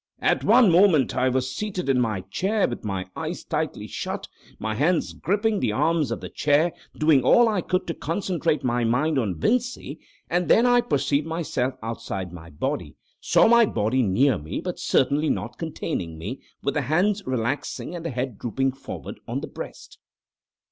"At one moment I was seated in my chair, with my eyes tightly shut, my hands gripping the arms of the chair, doing all I could to concentrate my mind on Vincey, and then I perceived myself outside my body—saw my body near me, but certainly not containing me, with the hands relaxing and the head drooping forward on the breast."